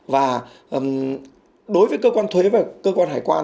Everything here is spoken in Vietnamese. và đối với cơ quan thuế và cơ quan hải quan